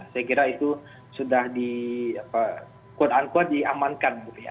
saya kira itu sudah di quote unquote diamankan